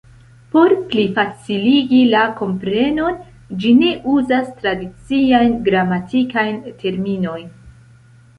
Por plifaciligi la komprenon, ĝi ne uzas tradiciajn gramatikajn terminojn.